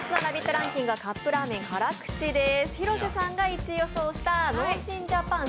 ランキングはカップラーメン・辛口です。